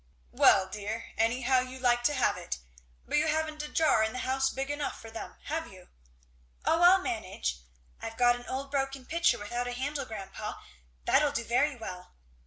"Well, dear! anyhow you like to have it. But you ha'n't a jar in the house big enough for them, have you?" "O I'll manage I've got an old broken pitcher without a handle, grandpa, that'll do very well."